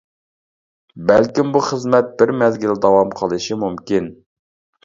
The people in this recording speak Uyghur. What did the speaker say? بەلكىم بۇ خىزمەت بىر مەزگىل داۋام قىلىشى مۇمكىن.